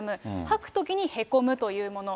吐くときにへこむというもの。